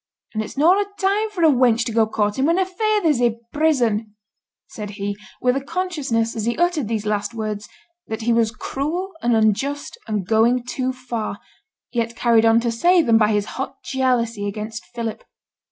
And it's noane a time for a wench to go courtin' when her feyther's i' prison,' said he, with a consciousness as he uttered these last words that he was cruel and unjust and going too far, yet carried on to say them by his hot jealousy against Philip.